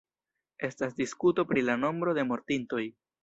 Estas diskuto pri la nombro de mortintoj.